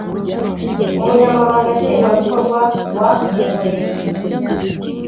umunyamabanga nshingwabikorwa wa umurenge